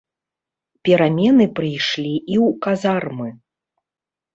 Перамены прыйшлі і ў казармы.